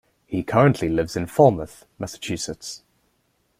He currently lives in Falmouth, Massachusetts.